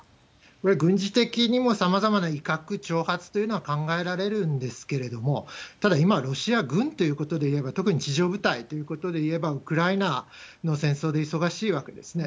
これ、軍事的にもさまざまな威嚇、挑発というのは考えられるんですけれども、ただ、今、ロシア軍ということでいえば、特に地上部隊ということでいえば、ウクライナの戦争で忙しいわけですね。